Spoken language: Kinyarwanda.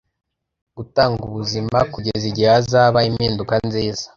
gutanga ubuzima kugeza igihe hazaba impinduka nziza.